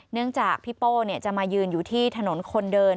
เนื่องจากพี่โป้จะมายืนอยู่ที่ถนนคนเดิน